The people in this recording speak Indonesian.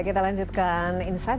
kita lanjutkan insight